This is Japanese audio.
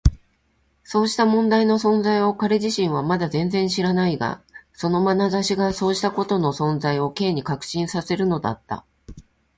そうした問題の存在を彼自身はまだ全然知らないが、そのまなざしがそうしたことの存在を Ｋ に確信させるのだった。